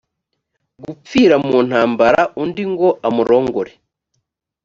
gupfira mu ntambara undi ngo amurongore